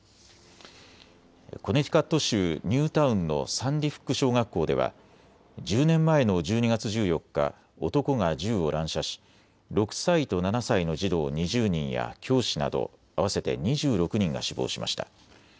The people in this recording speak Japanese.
コネティカット州ニュータウンのサンディフック小学校では１０年前の１２月１４日、男が銃を乱射し６歳と７歳の児童２０人や教師など合わせて２６人が死亡しました。